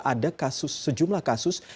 ada kasus sejumlah kasus